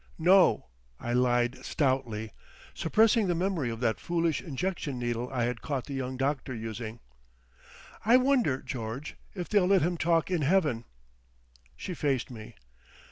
"No," I lied stoutly, suppressing the memory of that foolish injection needle I had caught the young doctor using. "I wonder, George, if they'll let him talk in Heaven...." She faced me.